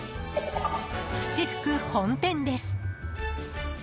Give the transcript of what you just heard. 七福本店です。